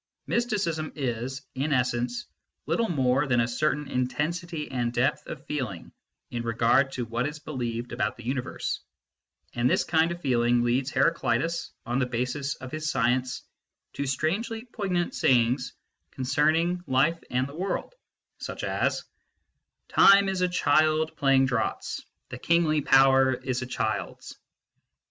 Mysticism is, in essence, little more than a certain intensity and depth of feeling in regard to what is believed about the universe ; and this kind of feeling leads Heraclitus, on the basis e>f his science, to strangely poignant sayings concerning life and the world, such as :" Time is a child playing draughts, the kingly power is a child s."